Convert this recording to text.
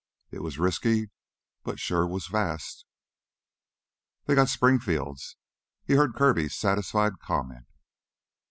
It was risky but sure was fast. "They've got Springfields." He heard Kirby's satisfied comment.